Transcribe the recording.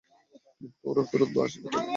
কিন্তু ওরা ফেরতই বা আসে কেন?